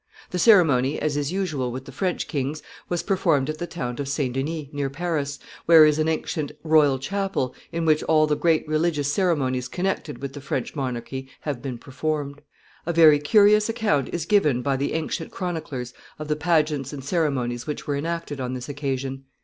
The ceremony, as is usual with the French kings, was performed at the town of St. Denis, near Paris, where is an ancient royal chapel, in which all the great religious ceremonies connected with the French monarchy have been performed. A very curious account is given by the ancient chroniclers of the pageants and ceremonies which were enacted on this occasion.